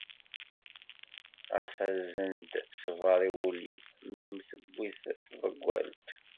Ɣas azen-d ṣṣber i wul-im, mmi-m tewwi-t tḍeggalt.